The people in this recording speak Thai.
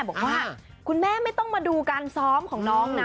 บอกว่าคุณแม่ไม่ต้องมาดูการซ้อมของน้องนะ